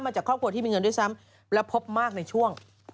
จากครอบครัวที่มีเงินด้วยซ้ำและพบมากในช่วง